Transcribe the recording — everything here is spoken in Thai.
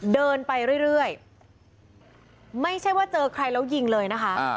เดินไปเรื่อยไม่ใช่ว่าเจอใครแล้วยิงเลยนะคะ